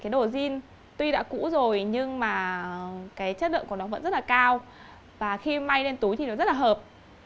cái đồ jean tuy đã cũ rồi nhưng mà cái chất lượng của nó vẫn rất là cao và khi may lên túi thì nó rất là hợp